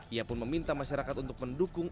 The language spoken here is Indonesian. ia pun meminta masyarakat untuk mendukung